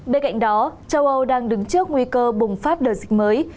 bên cạnh đó châu âu đang đứng trước nguy cơ bùng phát đợt dịch mới